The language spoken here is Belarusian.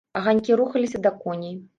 Аганькі рухаліся да коней.